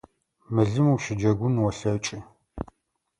Мылым ущыджэгун олъэкӏы.